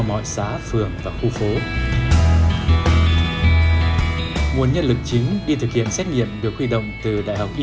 mọi xã phường và khu phố nguồn nhân lực chính đi thực hiện xét nghiệm được huy động từ đại học y